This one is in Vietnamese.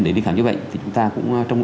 để đi khám chữa bệnh thì chúng ta cũng